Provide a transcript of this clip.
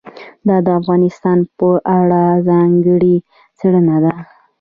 دا د افغانستان په اړه ځانګړې څېړنه ده.